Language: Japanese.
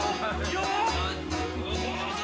よっ！